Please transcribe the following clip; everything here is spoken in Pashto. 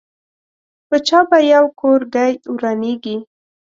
په چا به یو کورګۍ ورانېږي.